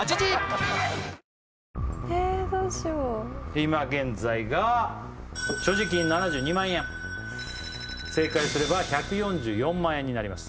今現在が所持金７２万円正解すれば１４４万円になります